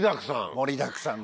盛りだくさん。